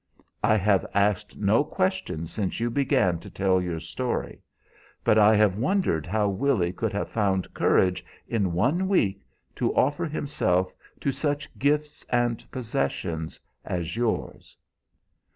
"I have asked no questions since you began to tell your story; but I have wondered how Willy could have found courage, in one week, to offer himself to such gifts and possessions as yours."